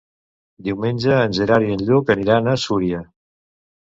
Diumenge en Gerard i en Lluc aniran a Súria.